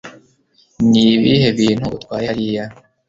Ni ibihe bintu utwaye hariya